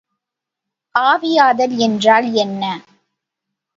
ஆவியாதல் என்றால் என்ன?